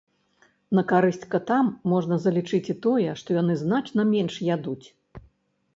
На карысць катам можна залічыць і тое, што яны значна менш ядуць.